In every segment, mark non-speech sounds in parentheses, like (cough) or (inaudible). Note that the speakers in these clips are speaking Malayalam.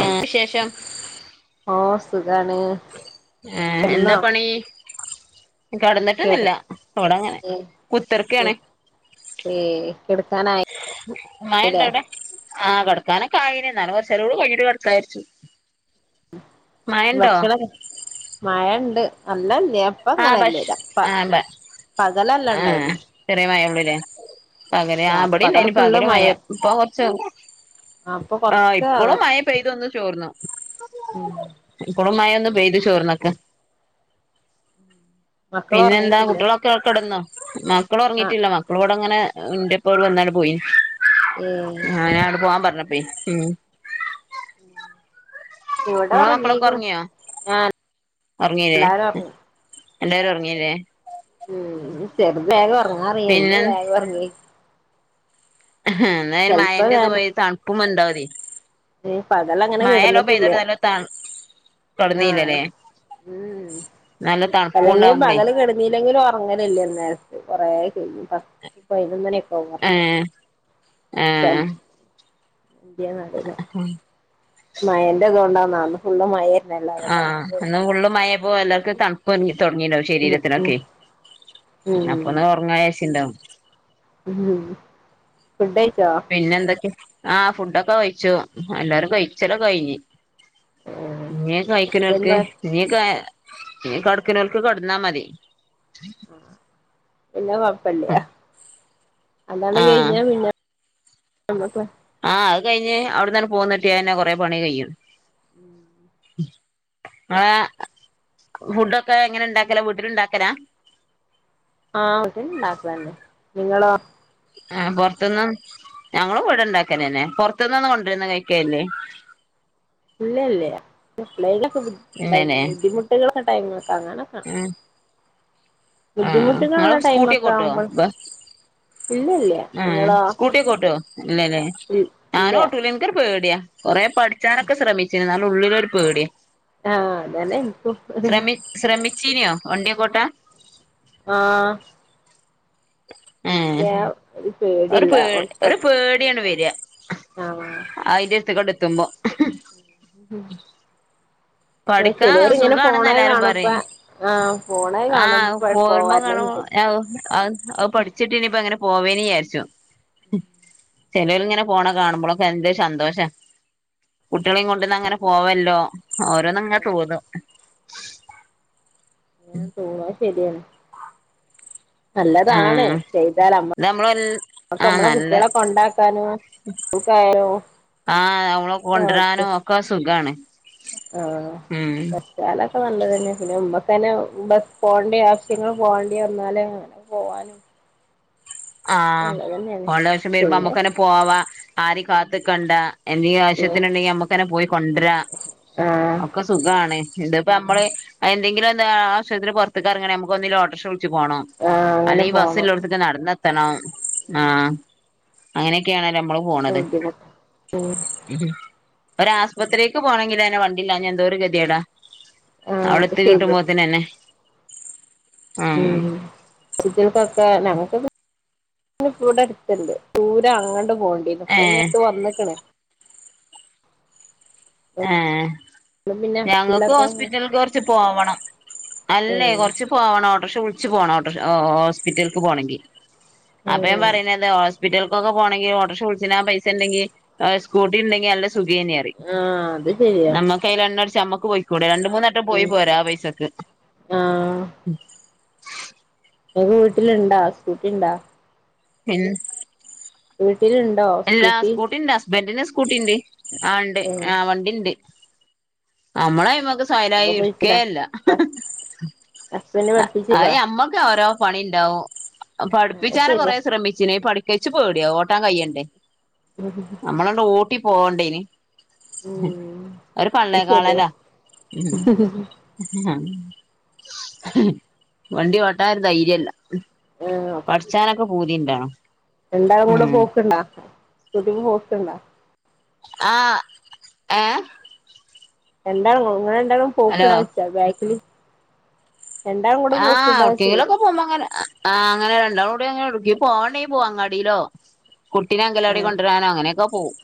ആ ശേഷം ഓഹ് സുഖാണ്. ഏഹ് എന്താ കിടന്നോ പണി. കടന്നിട്ടന്നില്ല കിടക്ക് ഇവടെ അങ്ങനെ കുത്തിറക്കയാണ്. ഏയ് കെടുക്കാനായില്ലേ. മഴണ്ടോ അവിടെ ആഹ് കിടക്കാനൊ കായിന എന്നാലും കുറച്ചാലൂട് കൈഞ്ഞീട്ട് കിടക്കാന് വിചാരിച്ചു. മഴണ്ടോ ഭക്ഷണം മഴ ഉണ്ട് വള്ളല്ലാ അപ്പ ആഹ് ഭക്ഷ അങ്ങനെയല്ലേ ഇല്ല ആഹ് ഭ പകലല്ല ആഹ് ഉണ്ടായിരുന്നു. ചെറിയ മഴംഉളുല്ലേ പകല് ആ പകല് മഴ ഇപ്പൊ കൊറച്ച്. അപ്പൊ ആഹ് കൊറച്ച് അക ഇപ്പോഴും മഴ പെയ്തൊന്നു ചോർന്നു. ഉം ഇപ്പോളും മഴ പെയ്തു ചോർന്ചോറിന്നൊക്കെ. മക്കള് പിന്നെന്താ ഉറങ്ങിട്ടില്ലേ കുട്ടിയെളൊക്കെ കട്ന്നോ, ആ മക്കളൊറങ്ങീട്ടില്ല. മ ഓളോടങ്ങനെ ഇന്റപ്പം ഇവടെ വന്നാണ്ട് പോയി. ഏ ഏഹ് ഞനങ്ങട്ട് പോവാൻ പറഞ്ഞപ്പെ ഇവിടെ ഇങ്ങളെ മക്കളൊക്കെ ഇറങ്ങീക്ക്ണ് ഒറങ്ങിയോ ഞാൻ ഒറങ്ങീല്ലേ എല്ലാരും ഒറങ്ങി എല്ലാരും ഒറങ്ങിയല്ലേ? ഉം ചെറുത് വേഗം ഒറങ്ങാറിയ ഇന്ന് പിന്നെ വേഗ ഒറങ്ങി ഹെ ഇന്നാണെ ചെലപ്പോ മഴന്റെ ഇതുവായി തണുപ്പും ഇണ്ടാവൂലെ ഏഹ്, പകലങ്ങനെ കെടന്ന്ട്ടുല്ല. ത ആഹ് തൊടന്നീല്ലല്ലേ ഉം നല്ല തണുപ്പും അല്ലെങ്കി ഞാൻ ഉണ്ടാവുമ്പളേ പകല് കെടു ഇല്ലെങ്കിലും ഉറങ്ങലില്ലനേരത്ത് കൊറേ (unintelligible) പതിനൊന്നണിയൊക്കെ ആകൂം ഒറങ്ങാൻ ഏഹ് ലെ ഏഹ് (unintelligible) ആഹ് മഴന്റെതോണ്ടാ ഒന്നാമെ ഫുള്ളും മഴന്നലേ ആഹ് എന്ന ഫുള്ള് മഴപോ എല്ലാവർക്കും തണുപ് തണ്പ്പ് തൊടങ്ങിണ്ടാവും ഉം ഉം ശരീരത്തിനൊക്കെ ഉം അപ്പൊന്ന് ഒറങ്ങാരാരിച്ചിണ്ടാവും ഹ്മ്മ്. ഫുഡഴിച്ചോ? പിന്നെ എന്തൊക്കെ, ആഹ് ഫുഡൊക്കെ കഴിച്ചു. എല്ലാരും കഴിച്ചലൊക്കെ കഴിഞ്ഞ്. ഏഹ് എങ്ങനെ കഴിക്കണൊക്കെ ഹസ്ബൻഡ് ഇനിയൊക്കെ കട്ക്ക്നോൽക്ക് കട്ന്നാ മതി. പിന്ന കൊഴപ്പല്ല. അതോണ്ട് ആഹ് കഴിഞ്ഞ പിന്നാ (unintelligible) ആഹ് അത് കഴിഞ്ഞ് അവിട്ന്നാണ്ട് പോന്നിട്ടിയാഞ്ഞെ കൊറെ പണി കഴിയ്യും. (inaudible) ആഹ് ഫുഡൊക്കെ എങ്ങനെ ഉണ്ടാക്കല് വീട്ടിലുണ്ടാക്കല ആഹ് ഇവിടുണ്ടാക്കുവല്ലേ നിങ്ങളോ ആഹ് പുറത്തുന്നും ഞങ്ങള് ഇവിടെണ്ടാക്കലനെ പുറത്തുന്ന്ഒന്നും കൊണ്ടുവരന്ന് കഴിക്കലില്ലേ ഇല്ല ഇല്ലേ എപ്പളേലൊക്കെ ഇല്ലല്ലേ ബുദ്ധിമുട്ടുകളൊക്കെ ടൈമൊക്കഅങ്ങന ഉം ആഹ് ബുദ്ധിമുട്ടുകളുള്ള നിങ്ങള് ടൈമൊക്കെ സ്കൂട്ടിക്കോട്ടുവ ആവുമ്പോൾ ബസ് ഇല്ല ഇല്ല ഏഹ്, നിങ്ങളോ സ്കൂട്ടിയൊക്കെ ഓട്ടോ? ഇല്ലലെ ഇല്ല ഞാനും ഓട്ടുല ഇന്ക്കൊരു പേടിയാ കൊറെേ പഠിച്ചാനൊക്കെ ശ്രമിച്ചിണ്. ന്നാലും ഉള്ളിലൊരു പേടിയാ ആഹ് അതന്നെ എനികും ഒര് ശ്രമിച്ചീനിയൊ വണ്ടിയക്കോട്ടാൻ ആഹ് ഏ മ്യാവു ഒരു പേ ഒരു പേടിയാണ് വരിക ആഹ് അതിന്റെ അടുത്ത് കൊണ്ട് എത്തുമ്പോ ഉം ആഹ് പഠിക്കാൻ ചെലോരിങ്ങനെ സുഖാണെന്ന് ഫൊണെ എല്ലാരും കാണുമ്പ പറയും ആഹ് ഫൊണെ കാണുമ്പം പറിം പോവായിരുന്ന് അവു അ പഠിച്ചിട്ട് ഇനിയിപ്പ അങ്ങനെ പോവേന്ന് വിചാരിച്ചും ചെലോരിങ്ങനെ പോണ കാണുമ്പളൊക്കെ എന്തൊരു സന്തോഷാ കുട്ടിയളീം കൊണ്ട്ന്നാ ഇങ്ങനെ പോവല്ലോ ഓരോന്നങ്ങനെ തോന്നും. (unintelligible) ശരിയാണ് നല്ലതാണെ ചെയ്താലമ്മ നമ്മളെൽ അക്ക നമ്മളെ കുട്ടികളൊക്കെ ഉണ്ടാക്കാനും സ്കൂൾക് ആയാലും ആഹ് നമ്മളെ കൊണ്ടരാനും ഒക്കെ സുഖാണ് ഉം ആഹ് ചെലതൊക്കെ നല്ലത് തന്നെ പിന്നെ മുമ്പക്ക് തന്നെ ബസ് പോകേണ്ടി ആവശ്യങ്ങൾ പോകേണ്ടി വന്നാലേ ഇപ്പ പോവാനും ആഹ് നല്ലതന്നെയാണ് പോവണ്ടെ ആവശ്യം വരുമ്പോ പിന്നെ നമ്മക്കന്നെ പോവാ ആരീം കാത്ത്ക്കണ്ട എന്തെങ്കും ആവശ്യത്തിനുണ്ടെങ്കി നമ്മുക്കന്നെ പോയി കൊണ്ട്വരാ ആഹ് ഒക്കെ സുഖാണ് ഇന്ത ഇപ്പ നമ്മള് എന്തെങ്കിലും എന്ത ആവിശ്യത്തിന് പുറത്ത്ക്ക് ഇറങ്ങണേ നമുക്ക് ഒന്നങ്കി ഓട്ടറിഷ വിളിച്ച പോണം. ആഹ് അങ്ങനെ പോണം അല്ലെങ്കിബസ്സള്ളടത്തക്കെ നടന്നെത്തണം ആ ഉം അങ്ങനെയൊക്കെയണ നമ്മള് പോണത് ബുദ്ധിമുട്ട് ഉം ഒരാശുപത്രിേക്ക് പോണെങ്കിൽ തന്നെ വണ്ടില്ലഞാൻ എന്തോ ഒരു ഗതികേടാ. ആഹ് അവിടെ അത് എത്തി ശരിയാ കിട്ടുമ്പോത്തനന്നെ. ഉം കുട്ടിയാൾക്കൊക്കെ ഞങ്ങൾക്ക്ഇവിടെ അടുത്തുണ്ട്. ദൂരം അങ്ങോണ്ട് പോണ്ടിരുന്നു. (unintelligible) ഏഹ് ട്ട് വന്നിക്കണേ ഏഹ് അതുകൊണ്ട് പിന്നെ ഞങ്ങക്ക് ഹോസ്പിറ്റലൊക്കെ ഹോസ്പിറ്റലക്ക് കുറച്ച് പോവണം അല്ലേ ഏഹ് കുറച്ച് പോണം ഓട്ടോറിക്ഷ വിളിച്ച പോണം ഒട്ട് ഓഹ ഹോസ്പിറ്റലക്ക് പോകണെങ്കിൽ. അപ്പോ ഞാൻ ഏഹ് പറണത് ഹോസ്പിറ്റൽ ക്കോക്കെ പോണെങ്കിൽ ഓട്ടറിക്ഷ വിളിച്ചിനാ പൈസ ഇണ്ടെങ്കി സ്കൂട്ടി ഉണ്ടെങ്കിൽ നല്ല സുഖം തന്നെ അറി ആഹ് അത് ശരിയാ. കയ്യിലൽ എണ്ണടച്ച്മ്മക്ക് പോയിക്കൂടെ രണ്ട് മൂന്നാട്ടം പോയി ഉം പോരാ ആ പൈസക്ക്. ആഹ് എക്ക് വീട്ടിലിണ്ടാ സ്കൂട്ടി ഇണ്ടാ? പിന്നെ വീട്ടിലുണ്ടോ? അല്ലാ സ്കൂട്ടി ഉണ്ട് ഹസ്ബൻറ്റിന് സ്കൂട്ടി ഉണ്ട് ആ ഉണ്ട് ഏഹ് ആ വണ്ടി ഇണ്ട്. നമ്മള അയ്മക്ക് അപ്പൊ സ്വയലായി പോയിക്കൂടെ ഇരിക്കേലില്ല. ഹസ്ബൻഡ് ആഹ് പഠിപ്പിച്ച് തരുവോ അത് നമ്മക്ക് ഓരോ പണി ഉണ്ടാവും അത് പഠിപ്പിച്ചാന ശരിയാ കൊറെ ശ്രമിച്ചിനേ പഠ കെച്ചു പേടിയോ ഓട്ടാൻ കയ്യണ്ടേ. ഉം (inaudible) നമ്മളണ്ട് ഊട്ടി പോകണ്ടേന്. ഉം ഒരു അത് പള്ളേ ശരിയാ ക്കാളല. ഉം വണ്ടി ഓട്ടാൻ ഒരു ധൈര്യല്ല ആഹ് പഠിച്ചാനൊക്കെ പൂതിണ്ടണ. രണ്ടാളും കൂടെ പോക്കണ്ടാ സ്കുട്ടിമ്മേ പോക്കണ്ടാ? ആഹ് ഏഹ് രണ്ടാ ഇങ്ങള് രണ്ടാളും ഹലോ പോക്കണ ആച്ച (unintelligible) ബാക്കില് രണ്ടാളും കൂടെ ആഹ് പോക്ക്ണ്ടാ ചോയി ആർക്കേങ്കിലൊക്ക (unintelligible) പോവുമ്പോ അങ്ങന ആ അങ്ങനെ രണ്ടാളുംകൂടി അങ്ങനെ എടുക്കി പോവണേ പോവാ അങ്ങാടിയിലോ. കുട്ടിനെ അങ്കലാടി ആഹ് കൊണ്ടുവരാനോ അങ്ങനെയൊക്കെ പോവും.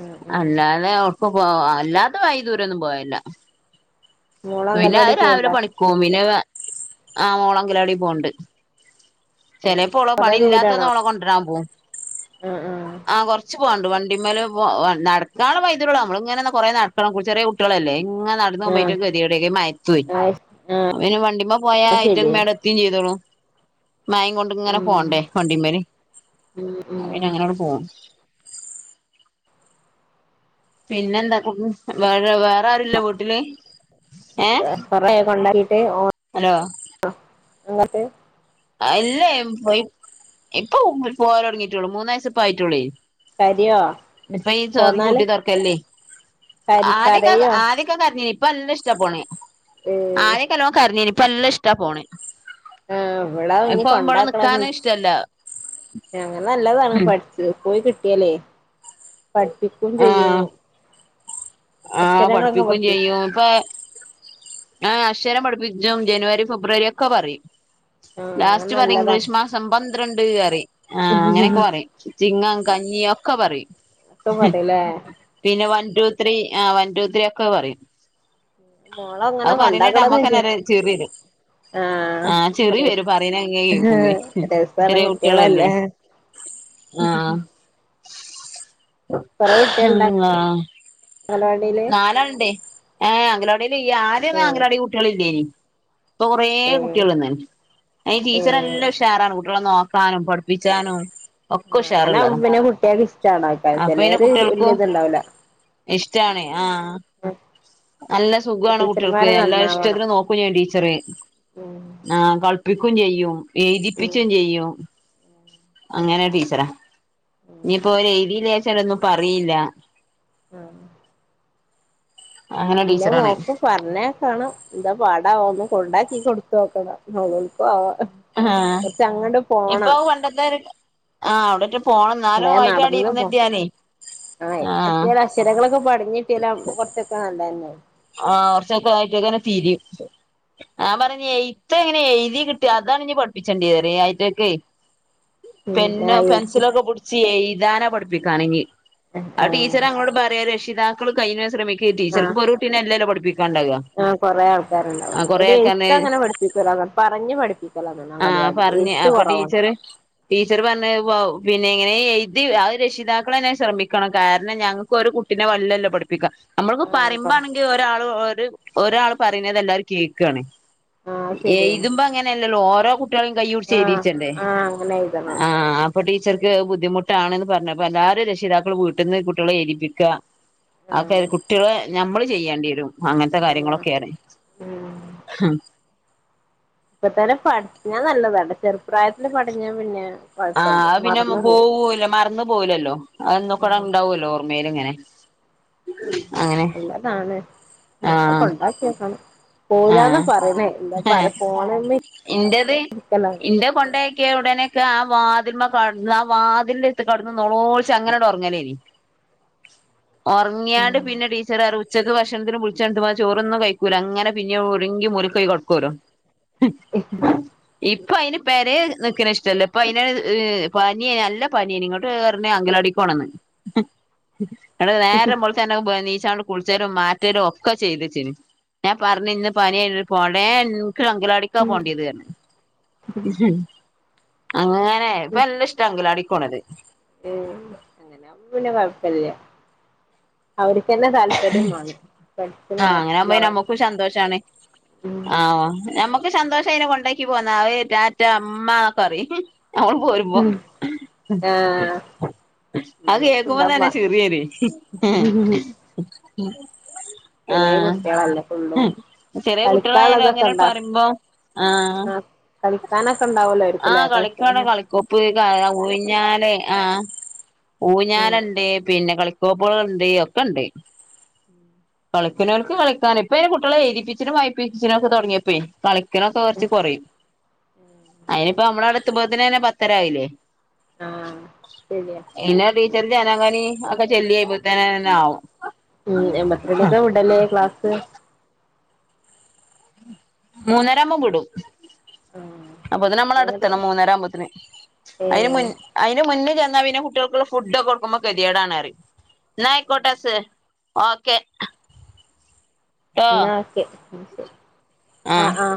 ആഹ് ആഹ് അല്ലാതെ എവിടെക്കെപ്പോ അല്ലാത്തെ വൈ ദൂരൊന്നും പോവലില്ല. മോള് പിന്നെ അത് അംഗൽവാടി രാവിലെ പോവ്ണ്ടാ പണിക്ക പോവും പിന്നെ അ ആ മോളങ്കിലവാടി പോണുണ്ട് ചിലപ്പോളോ കൊറേ പണി ദൂരാണോ ഇല്ലാത്തന്നോളെ കൊണ്ടുരാൻ പോവും. ആഹ് ആഹ് ആഹ് കുറച്ച് പോവാണ്ട് വണ്ടിമേല് പോ നടക്കാളും വൈദ്യരുള്ള നമ്മള ഇങ്ങന കുറേ നട ക്കണം ചെറിയ കുട്ടികളല്ല ഇങ്ങന നട ആഹ് (unintelligible) ഗതിടക്കെ ഈ മയതും അപോ പിന്നെ ഗെതി ആഹ് കേട് വണ്ടിമ്മ പോയ അത് ആയിറ്റക്കെ ശെരിയാ വേം എത്തിയും ചെയ്തോളൂ. മായം കൊണ്ട ഇങ്ങനെ ഉം പോണ്ടേ വണ്ടിമാേല് ഉം ഉം അവന അങ്ങനെ പോവും പിന്നെ എന്താ? ക്ക വേ വേറെ ആരുല്ല വീട്ടില്? ഏഹ് കൊ കുറെ കൊണ്ടാക്കീട്ട് ഓൻ ഹലോ ആഹ് അങ്ങട്ടെ അല്ലേ ഇപ്പൊ പോരടങ്ങീട്ടോളൂ മൂന്നാവയസ്സ് ഇപ്പ ആയിട്ടോളി കരയോ ഇപ്പ ച് പോന്നാല് പൂട്ടി തൊറക്കല്ലേ കരി ആദ്യക്ക് കരയോ ആദ്യ ക്കെകാരിഞ്ഞെന്നു ഇപ്പ നല്ല ഇഷ്ട പോണെ. ഏഹ് ആരെക്കലോ നല്ല കരിഞ്നിപ്പ നല്ല ഇഷ്ട പോണ്. ആഹ് ഇവളാ ഇഞ്ഞി കൊണ്ടാക്കണത് നിക്കാനും ഇഷ്ടല്ല അങ്ങനെ നല്ലതാണ് പഠിച്ച് പോയി കിട്ടിയാല്ലേ പഠിപ്പിക്കും ചെയ്യും. ആഹ് ആഹ് പഠിപ്പിക്കും ചെയ്യും ഇപ്പൊ ആഹ് അഷരം പഠിപ്പിച്ചും ജനുവരി ഫെബ്രുവരി ഒക്കെ പറയും ആഹ് അത് ലാസ്റ്റ് പറയും നല്ലതാണ് ഇംഗ്ലീഷ് മാസ ഡിസബന്ദ്രണ്ട്റിം ആ അങ്ങനെയൊക്കെ പറയും ചിങ്ങം കഞ്ഞി ഒക്കെ പറയും. ഒക്കെ പറയുലെ പിന്നെ വൺ ടു ത്രീ ആ വൺ ടു ത്രീ ഒക്കെ പറയും. മോളെ അങ്ങനെ അത് പറയണെട്ടാ കൊണ്ടാക്കണംന്ന് വിചാരിച്ചു അമ്മക്കനൊര് ചിറിവെരും ആഹ് ചിറി വെരും പറയനഇങ്ങനെ കേക്കുമ്പേ മ്മ്ഹ് രസാണ് ചെറിയകുട്ട്യേളല്ലേ. കുട്ടികളല്ലേ ആഹ് കൊറേട്ട്യാളിണ്ടാ നാടി നാലാളിണ്ടേ ഏ അംഗലവാടീൽ ഈ ആദ്യൊന്നും ഏഹ് അങ്കലവാടിൽ കുട്ട്യേളിലെനി. ഇപ്പൊ കൊറേ ഏഹ് കുട്ട്യേൾ വന്ന്ണ് ഈ ഏഹ് ടീച്ചർല്ലാഉഷാറാണ് കുട്ട്യേളെ നോ ക്കാനും പഠിപ്പിച്ചാനും ഒക്കെ ആഹ് അങ്ങനെ ഉഷാറുള്ളതാ ആവുമ്പോ പിന്നെ കുട്ട്യേൾക്ക് ഇഷ്ടാണോക്കാലും അപ്പൊ പിന്നെ ചെലര് വല്യ ഇത്ണ്ടാവുല്ല റ്റാണെ ആഹ് നല്ല സുഖാണ് കുട്ട്യോൾക്ക് ടീച്ചർമാര് എല്ലാ നന്നാവണം ഇഷ്ടത്തിന് നോക്കും ചെയ്യും ടീച്ചറ്. ഉം ആഹ് കളിപ്പിക്കും ചെയ്യും ഉം എയ്തിപ്പിച്ചും ചെയ്യും അങ്ങനെ ടീച്ചറാ ഉം ഇനിയിപ്പോ ഒരെഴുതീലാച്ചാലും ഒന്നും പറയീല ആഹ് അങ്ങനെ ഇല്യ ടീച്ചറാണ് മോക്കും പറഞ്ഞേയ്ക്കണം എന്താ പാടാവോ ഒന്ന് കൊണ്ടാക്കി കൊടുത്തോക്കണം നൊലോലൊക്കാവോ ആഹ് ഇപ്പൊ പണ്ടത്തെ ആ അവിടെറ്റം പോണംന്നാലും കൊറേ അയിന്റടി നടന്ന് പോ ഇരുന്നിട്ട്യാലെ ആഹ് ചിലകളൊക്കെ പടിഞ്ഞിട്ട്യാലം കൊറച്ചൊക്കെ നല്ലലെ ആഹ് കൊറച്ചൊക്കെ ആയിട്ടങ്ങനെ തിരിയും ആഹ് ഞാൻ പറഞ് എയ്ത്തഇങ്ങനെ എയ്തി കിട്ടി അതാണ് ഇനി പഠിപ്പിച്ചണ്ടെ ആയിറ്റാക്കെ പെന്നോ പിന്നെ പെൻസിലൊക്കെ പുടിച്ച് എഴുതാനപഠിപ്പിക്കാണെങ്കിൽ ആഹ് അത് ടി ച്ചർ ആഹ് ഞങ്ങളോട് പറയാ രക്ഷിതാക്കൾ കയിണതും ശ്രമിക്ക് ടീച്ചർക്ക് ഇപ്പൊ ഒരു കുട്ടിനെല്ലലൊ പഠിപ്പിക്കാണ്ടാവാ. ആഹ് കൊറെ ആൾക്കാരുണ്ടാവല്ല അവര് എഴ്ത്തങ്ങനെ പഠിപ്പിക്കൂല പറഞ്ഞ് പഠിപ്പി കലാണ് ആഹ് അഗലവാഡിൽ പറഞ്ഞ് എയ്ത് അപ്പൊ കൊറവാ ടീച്ചറ് ടീച്ചർ പറഞ്ഞ് പിന്നെ ഇങ്ങനെഎയിതി അഹ് രക്ഷിതാക്കളനെ ശ്രമിക്കണം കാരണം ഞങ്ങ ഒരു കുട്ടിനെവലല്ലോ പഠിപ്പിക്കാ അമ്മളിപ്പോ ആഹ് കൊ പറയുമ്പോ ആണെങ്കിൽ ഒരാൾ ഒര് ഒരാൾ പറയണതെലാരും കേക്കാണ് ആഹ് ശരിയാണ് എയ്തുമ്പോ അങ്ങനെയല്ലല്ലോ ഓരോ കു ട്ട്യേളം കയുടിച്ച് ആഹ് എയ്തീട്ടലെ ആഹ് അങ്ങനെ എഴുതണം ആഹ് ഇപ്പൊ ടീച്ചർക്ക് ബുദ്ധിമുട്ടാണ്ന്ന് പറഞ്ഞ അപ്പൊ എല്ലാരും രക്ഷിതാക്കൾ വീട്ടിന്ന് കുട്ട്യേളെ എയിതിപ്പിക്ക ആപ്പൊ ആഹ് കുട്ട്യേളെ ഞമ്മള് ചെയ്യണ്ടിവരും ആഹ് അങ്ങനത്തെകാര്യങ്ങളൊക്കെയാണ് ഉം മ്മ്ഹ്. ഇപ്പതന്നെ പഠിക്കണെ നല്ലതാണ് ചെറുപ്രായത്തില് പഠിഞ്ഞാ പിന്നെ ആഹ് കൊഴപ്പല്ല അത് പിന്നെ മറന്നു അമക് പോവൂല പോവൂല്ല മറന്ന് പോവൂലല്ലോ അന്നും ഉം ഇപ്പടെ ഇണ്ടാവല്ലോ ഓർമ്മേൽ ഇങ്ങനെ നല്ലതാണ് ആഹ് കൊണ്ടാക്ക്യോക്കണം. പോവൂലാന്നാ ആഹ് പറയണേ എന്താപ്പൊ ഫോണിമെ ത്യേ ഉടനെ ഒക്കെ ആഹ് വാതിൽമെ കെടന്ന് ആഹ് വാതിന്റെടുത്ത് കെടന്ന് നെലോളിച്ച് അങ്ങനെങ്ങട്ട് ഒറങ്ങലേനി. (inaudible) ഒറങ്യാൽ ഉം പിന്നെ ടീച്ചററിം ഉച്ചക്ക് ഭക്ഷണത്തിന് ബിളിചാൽ ഇത് ചോറൊന്നും കയ്‌ക്കൂലാ അങ്ങനെ പിന്നെ ഒറങ്ങി മൂലക്കൊയ് കെടക്കോലും ഇപ്പൊ അയിന് പെരെ നിക്കണെ ഇഷ്ടല്ല ഇപ്പൊ അയിന് പനിയനല്ല പനിയെനി. ട്ട് പറഞ് അങ്കലടിക്കോണന്ന്. ന്നിട്ട് നേരം പൊള്ച്ചാ നീച്ചാണ്ട് കുള്ച്ചലും മാറ്റലും ഒക്കെ ചെയ്തച്ചന് പറഞ്ഞ് ഇന്ന് പനിയാ പോണ്ടേ ഏ ഇന്ക് അങ്കലാടിക്കാ പോണ്ടിയത് അങ്ങനെ ഇപ്പ നല്ല ഇഷ്ടാങ്കലാടിക്കോണത് ഉം അങ്ങനെവുമ്പോ പിന്നെ കൊഴപ്പല്ല്യ അവര്ക്കന്നെ താല്പര്യം മാണം ആഹ് അങ്ങനെ ആകുമ്പോ ഞമ്മക്കും സന്തോഷാണ് ഉം ആ നമ്മ ക്ക് സന്തോഷയിനെ കൊണ്ടാക്കി പോന്ന റ്റാറ്റ ഇമ്മ ഒക്കെറി നമ്മള് പോരുമ്പോ ഉം ആഹ് (unintelligible) അത് കേക്കുമ്പോ തന്നെ നമ്മക്കെന്താപ്പാ ചിറിരെ ചെറിയ കുട്ടിയളല്ലേ ഫുള്ളു ചെറിയ കുട്ടികളായാലും കളിക്കാള്ളതൊക്കെ അങ്ങനെ ഇണ്ടോ പറയുമ്പോ ആഹ് കളിക്കാനൊക്കെ ഉണ്ടാവല്ലോയിരിക്കുല്ലേ കളി (inaudible) കൊപ്പ് ക്ക ഊഞ്ഞാല ആ ഉം ഊഞ്ഞാലണ്ട് പിന്നെ കളി കോപ്പളുണ്ട് ഒക്കെ ഉണ്ട് കളിക്ക്ണോൽക്ക് കളിക്കാന് ഇപ്പെ കുട്ടിയളെ എയ്തിപ്പിച്ചിണും വായ്പ്പിച്ചിണിം തൊടങ്ങിയപ്പെ കളി ചിക്കനൊക്കെ കുറച്ച് ഉം കൊറിം അയിനിപ്പൊ ഞമ്മളാണ്ട് എത്തുമ്പോത്തിനന്നെ പത്തരായിലെ ആഹ് ശരിയാ എല്ലാ ടീച്ചറ് ജനഗനി ഒക്കെ ചെല്ലിഴിബോത്തിനന്നെ ആവും ഉം എൺമ്പത്രണിക്കാ വിടല് ക്ലാസ് മൂന്നരവുമ്പോ വിടും അപ്പൊത്തിന് ആഹ് നമ്മളടെത്തണം മൂന്നര ആവുമ്പോത്തിന് അയിന് ഏഹ് മുൻ അയിന് മുന്നേ ചെന്നാൽ പിന്നെ കുട്ടിയൊൾക്കുള്ള ഫുഡൊക്കെ കൊടുക്കുമ്പോ കെതിയടാണ് ന്നറിം ന്നായിക്കോട്ടെ അസ് ഓക്കെ ട്ടോ ഇന്നാ ഓക്കെ ആഹ് ആ